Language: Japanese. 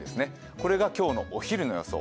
これが今日のお昼の予想。